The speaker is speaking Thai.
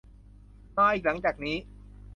มาอีกหลังจากนี้